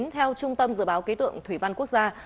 theo trung tâm dự báo khí tượng thủy văn quốc gia